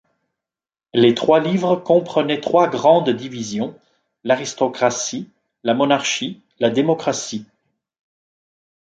Les trois livres comprenaient trois grandes divisions: l’aristocratie, la monarchie, la démocratie.